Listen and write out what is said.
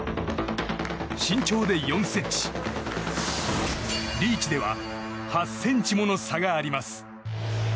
身長で４ｃｍ、リーチでは８ｃｍもの差があります。